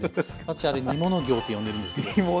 私あれ「煮物行」と呼んでるんですけれども。